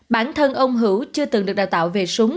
bản thân ông hữu chưa từng được đào tạo về súng